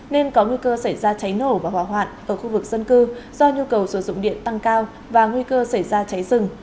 nên có nguy cơ xảy ra cháy nổ và hỏa hoạn ở khu vực dân cư do nhu cầu sử dụng điện tăng cao và nguy cơ xảy ra cháy rừng